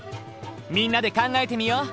みんなで考えてみよう！